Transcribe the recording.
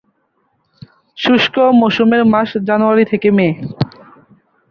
শুষ্ক মৌসুমের মাস জানুয়ারি থেকে মে।